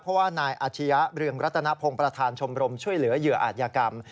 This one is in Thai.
เพราะว่านายอาชียะเรืองรัตนพงศ์ประธานชมรมช่วยเหลือเหยื่ออาจยากรรม